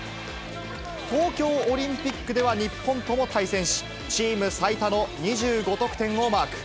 東京オリンピックでは日本とも対戦し、チーム最多の２５得点をマーク。